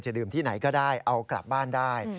ดื่มที่ไหนก็ได้เอากลับบ้านได้